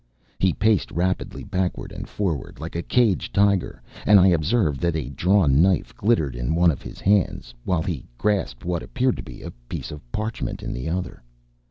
He paced rapidly backward and forward like a caged tiger, and I observed that a drawn knife glittered in one of his hands, while he grasped what appeared to be a piece of parchment in the other.